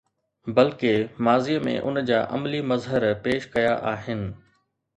بلڪه ماضيءَ ۾ ان جا عملي مظهر پيش ڪيا آهن.